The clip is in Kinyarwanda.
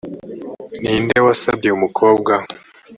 ni nde wasabye umukobwa?